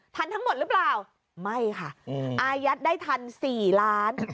ทันทั้งหมดหรือเปล่าไม่ค่ะอายัดได้ทัน๔ล้าน